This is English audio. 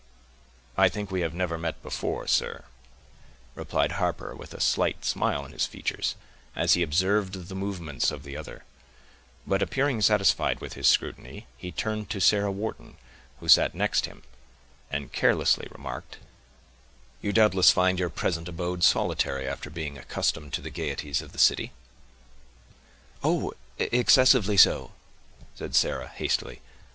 "I think we have never met before, sir," replied Harper with a slight smile on his features, as he observed the move ments of the other; but appearing satisfied with his scrutiny, he turned to Sarah Wharton, who sat next him, and carelessly remarked,— "You doubtless find your present abode solitary, after being accustomed to the gayeties of the city." "Oh! excessively so," said Sarah hastily.